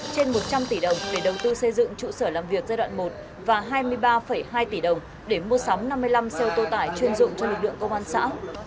trên một trăm linh tỷ đồng để đầu tư xây dựng trụ sở làm việc giai đoạn một và hai mươi ba hai tỷ đồng để mua sắm năm mươi năm xe ô tô tải chuyên dụng cho lực lượng công an xã